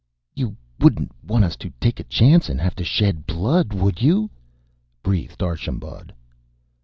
"You wouldn't want us to take a chance and have to shed blood, would you?" breathed Archambaud.